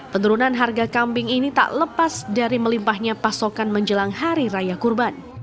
penurunan harga kambing ini tak lepas dari melimpahnya pasokan menjelang hari raya kurban